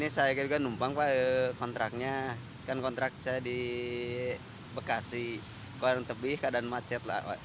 saya bekas di kolong tebih keadaan macet lah